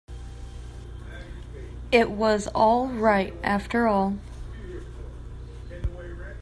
It was all right, after all.